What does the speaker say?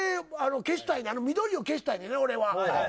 あの緑を消したいねん、俺は。